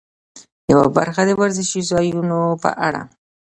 یوه برخه د وزرشي ځایونو په اړه.